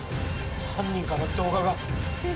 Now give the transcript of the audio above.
犯人から動画が。